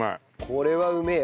これはうめえ。